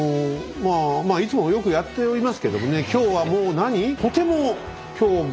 いつもよくやっておりますけどもね今日はもうなに？